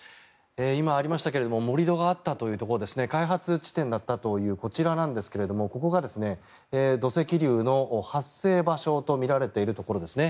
今、ありましたけれども盛り土があったというところ開発地点だったというこちらなんですがここが土石流の発生場所とみられているところですね。